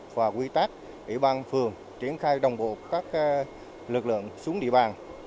và quy tắc ủy ban phường triển khai đồng bột các lực lượng xuống địa bàn